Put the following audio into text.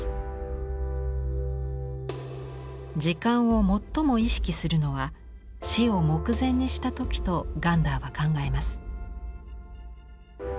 時間を最も意識するのは死を目前にした時とガンダーは考えます。